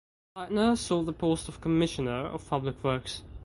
Lightner sought the post of Commissioner of Public Works.